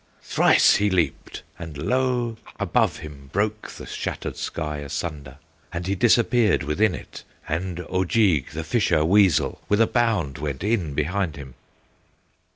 Thrice he leaped, and lo! above him Broke the shattered sky asunder, And he disappeared within it, And Ojeeg, the Fisher Weasel, With a bound went in behind him!"